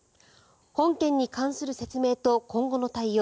本件に関する説明と今後の対応